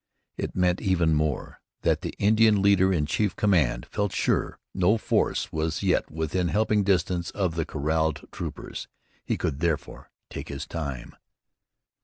It meant even more that the Indian leader in chief command felt sure no force was yet within helping distance of the corralled troopers. He could, therefore, take his time.